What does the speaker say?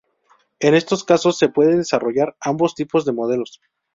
En estos casos se puede desarrollar ambos tipos de modelos.